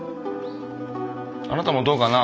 あなたもどうかな？